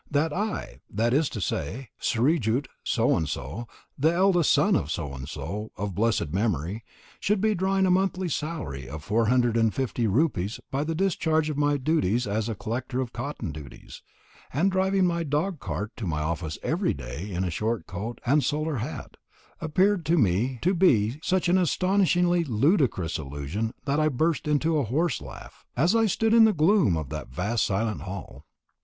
That I, that is to say, Srijut So and so, the eldest son of So and so of blessed memory, should be drawing a monthly salary of Rs. 450 by the discharge of my duties as collector of cotton duties, and driving in my dog cart to my office every day in a short coat and soia hat, appeared to me to be such an astonishingly ludicrous illusion that I burst into a horse laugh, as I stood in the gloom of that vast silent hall.